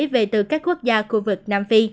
về từ các quốc gia khu vực nam phi